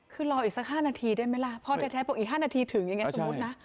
คือรออีกสักห้านาทีได้ไหมล่ะพ่อเธอแท้บอกอีกห้านาทีถึงยังไงสมมุตินะ